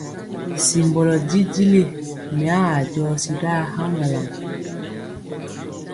Simbɔlɔ jijili, mya aa jɔsi ɗaa haŋgalaŋ.